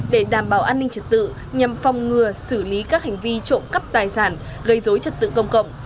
để đảm bảo an ninh trật tự nhằm phòng ngừa xử lý các hành vi trộm cắp tài sản gây dối trật tự công cộng